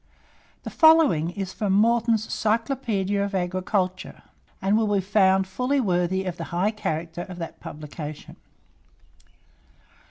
The following is from Morton's "Cyclopaedia of Agriculture," and will be found fully worthy of the high character of that publication.